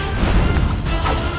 jangan lupa untuk berhenti